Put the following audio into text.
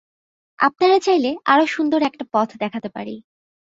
আপনারা চাইলে, আরো সুন্দর একটা পথ দেখাতে পারি।